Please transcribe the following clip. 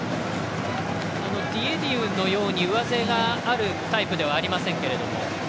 ディエディウのように上背があるタイプではありませんけど。